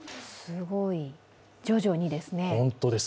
すごい、徐々にですね。